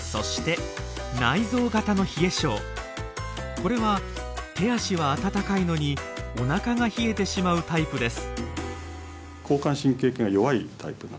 これは手足は温かいのにおなかが冷えてしまうタイプです。